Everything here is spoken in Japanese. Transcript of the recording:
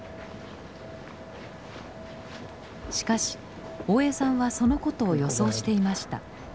しかし大江さんはそのことを予想していました。